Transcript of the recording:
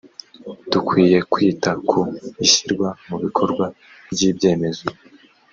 dukwiye kwita ku ishyirwa mu bikorwa ry ibyemezo